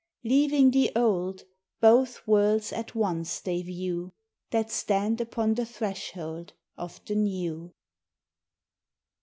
Leaving the old, both worlds at once they view, That stand upon the threshold of the new.